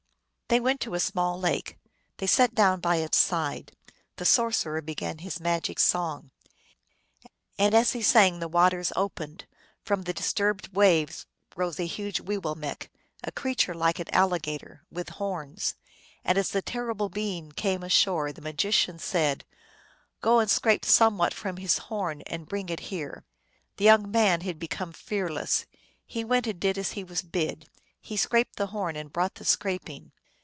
They went to a small lake ; they sat down by its side ; the sorcerer began his magic song. And as he sang the waters opened ; from the disturbed waves rose a huge Weewillmekq , a creature like an alligator, with horns. And, as the terrible being came ashore, the magician said, " Go and scrape somewhat from his horn and bring it here !" The young man had become fearless ; he went and did as he was bid : he scraped the horn, and brought the scraping.